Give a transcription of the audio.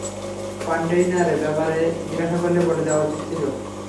কন্টেইনারের ব্যাপারে জিজ্ঞাসা করলে বলে দেওয়া উচিত ছিল।